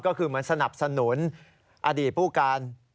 ก็คือเหมือนสนับสนุนอดีตผู้การ